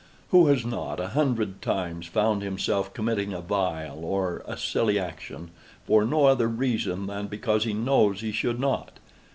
Who has not, a hundred times, found himself committing a vile or a silly action, for no other reason than because he knows he should not?